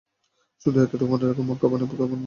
শুধু এতটুকু মনে রাখ যে, মক্কাপানে তুফান ধেয়ে আসছে।